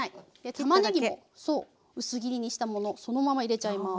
たまねぎも薄切りにしたものそのまま入れちゃいます。